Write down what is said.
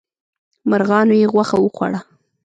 مرغانو یې غوښه وخوړه.